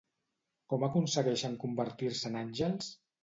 Com aconsegueixen convertir-se en àngels?